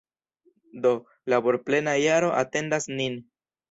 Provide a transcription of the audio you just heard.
Do, laborplena jaro atendas nin!